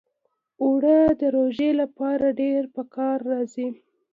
اوړه د روژې لپاره ډېر پکار راځي